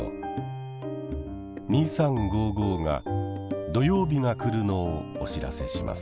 「２３」が土曜日が来るのをお知らせします。